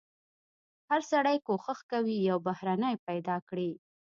هر سړی کوښښ کوي یو بهرنی پیدا کړي.